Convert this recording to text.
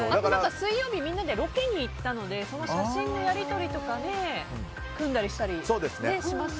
水曜日みんなでロケに行ったのでその写真のやり取りとかで組んだりしたりしましたね。